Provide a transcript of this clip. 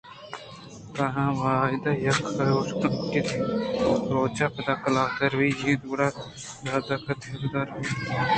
تنا وہدے کہ آ ہوش کنت کہ دیمی روچے ءَ پدا قلاتءَ روگی اِنت گڑا دہ دہ کنت ءُکاگداں بارت سر کنت دانکہ کسے چہ قلات ءَآئی ءَ را گپے مہ گوٛشیت